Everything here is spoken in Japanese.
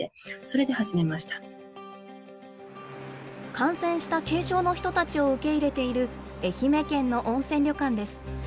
感染した軽症の人たちを受け入れている愛媛県の温泉旅館です。